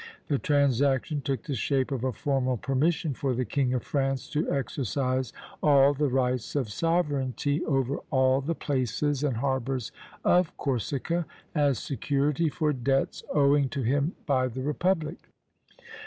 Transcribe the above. The transaction took the shape of a formal permission for the King of France to exercise all the rights of sovereignty over all the places and harbors of Corsica, as security for debts owing to him by the republic.